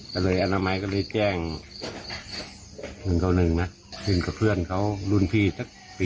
ก็เลยอ้านามัยก็เลยแจ้งหนึ่งเข้าหนึ่งนะ